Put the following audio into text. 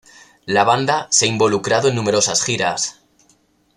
La banda se ha involucrado en numerosas giras.